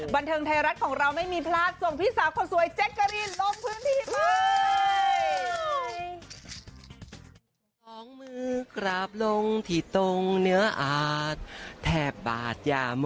บรรเทิงไทยรัฐของเราไม่มีพลาด